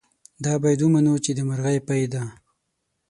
دا باید ومنو چې د مرغۍ پۍ ده.